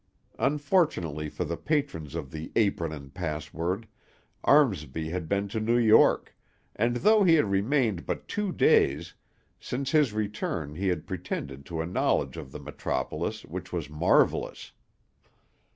Unfortunately for the patrons of the Apron and Password, Armsby had been to New York; and though he had remained but two days, since his return he had pretended to a knowledge of the metropolis which was marvellous.